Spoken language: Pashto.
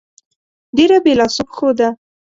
ډېره بې لاسو پښو ده.